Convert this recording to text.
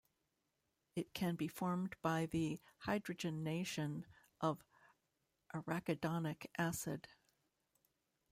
It can be formed by the hydrogenation of arachidonic acid.